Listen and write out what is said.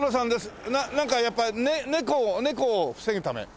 なんかやっぱ猫を猫を防ぐため？